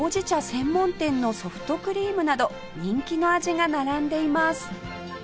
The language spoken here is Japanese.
専門店のソフトクリームなど人気の味が並んでいます